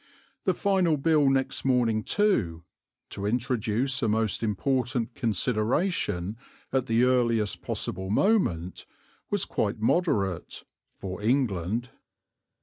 The final bill next morning too, to introduce a most important consideration at the earliest possible moment, was quite moderate for England.